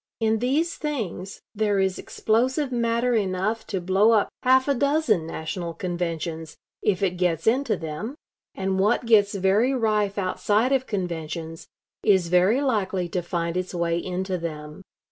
In these things there is explosive matter enough to blow up half a dozen national conventions, if it gets into them; and what gets very rife outside of conventions is very likely to find its way into them.